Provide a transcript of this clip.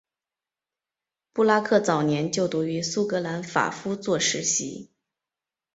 布拉克早年就读于苏格兰法夫作实习。